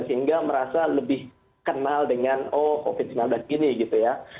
sehingga merasa lebih kenal dengan oh covid sembilan belas ini gitu ya